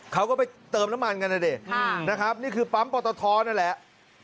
เขาก็ไปเติมน้ำมันกันนะดินะครับนี่คือปั๊มปอตทนั่นแหละ